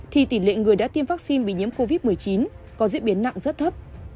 thì tỷ lệ người đã tiêm vaccine bị nhiễm covid một mươi chín có diễn biến nặng rất thấp